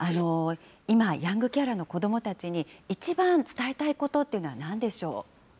今、ヤングケアラーの子どもたちに一番伝えたいことってなんでし